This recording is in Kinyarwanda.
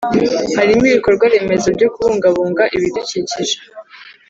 harimo ibikorwa remezo byo kubungabunga ibidukikije